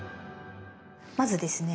まずですね